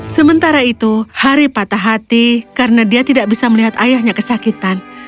sementara itu hari patah hati karena dia tidak bisa melihat ayahnya kesakitan